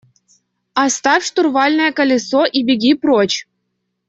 – Оставь штурвальное колесо и беги прочь.